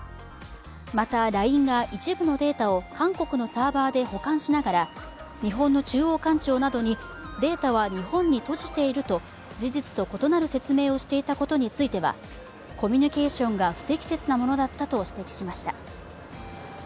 また、ＬＩＮＥが一部のデータを韓国のサーバーで保管しながら日本の中央官庁などにデータは日本に閉じていると事実と異なる説明をしていたことについてはコミュニケーションが不適切なものだったと指摘しました。